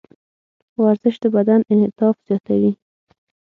ورزش د بدن انعطاف زیاتوي.